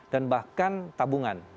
dan bahkan tabungan